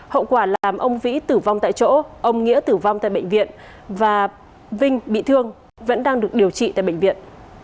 hậu quả làm ông vĩ tử vong tại chỗ ông nghĩa tử vong tại bệnh viện và vinh bị thương vẫn đang được điều trị tại bệnh viện